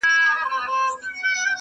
شاوخوا یې ترې را تاوکړله خطونه -